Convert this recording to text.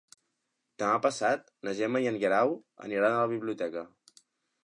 Demà passat na Gemma i en Guerau aniran a la biblioteca.